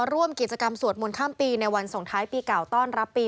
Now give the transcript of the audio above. ร่วมกิจกรรมสวดมนต์ข้ามปีในวันส่งท้ายปีเก่าต้อนรับปี